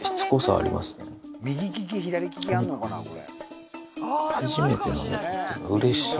右利き左利きあんのかなこれ。